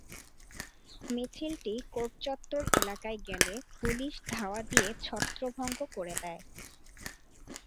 মিছিলটি কোর্ট চত্বর এলাকায় গেলে পুলিশ ধাওয়া দিয়ে ছত্রভঙ্গ করে দেয়।